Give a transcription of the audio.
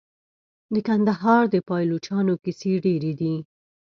د کندهار د پایلوچانو کیسې ډیرې دي.